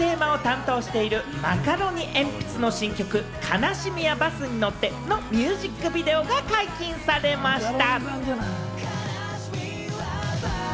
『ＤａｙＤａｙ．』のオープニングテーマを担当しているマカロニえんぴつの新曲『悲しみはバスに乗って』のミュージックビデオが解禁されました。